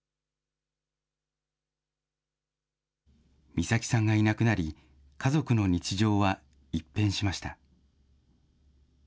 美咲さんがいなくなり、家族の日常は一変しました。